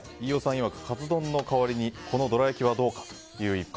いわくカツ丼の代わりにこのどら焼きはどうかと。